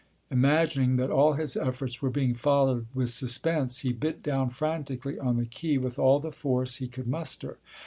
Imagining that all his efforts were being followed with suspense, he bit down frantically on the key with all the force he could muster.